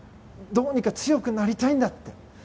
どうにか強くなりたいんだと。